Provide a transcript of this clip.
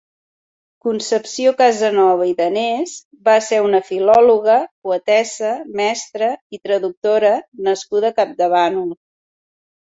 Concepció Casanova i Danés va ser una filòloga, poetessa, mestra i traductora nascuda a Campdevànol.